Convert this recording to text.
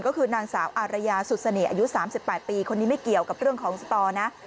ก็คือนางสาวอารยาสุเสน่ห์อายุ๓๘ปีคนนี้ไม่เกี่ยวกับเรื่องของสตอร์นะ